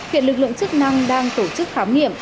hiện lực lượng chức năng đang tổ chức khám nghiệm